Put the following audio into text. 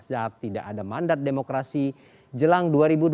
saat tidak ada mandat demokrasi jelang dua ribu dua puluh